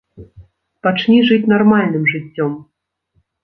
Пачні жыць нармальным жыццём!